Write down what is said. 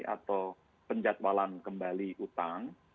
atau penjatualan kembali utang